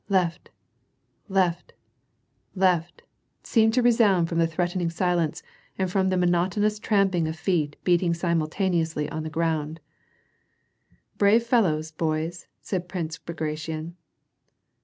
Left ! left ! left ! seemed to resound from the threatening silence, and from the monotoii 0118 trampling of feet beating simultaneously on the ground. "Brave fellows, boys !" said Prince Bagration.